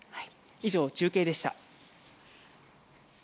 以上、中継でした。